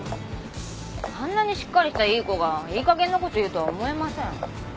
あんなにしっかりしたいい子がいいかげんなこと言うとは思えません。